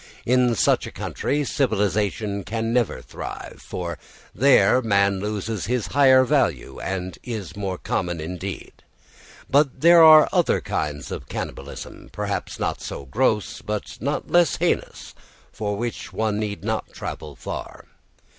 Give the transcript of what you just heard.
In such a country civilisation can never thrive, for there man loses his higher value and is made common indeed. But there are other kinds of cannibalism, perhaps not so gross, but not less heinous, for which one need not travel far.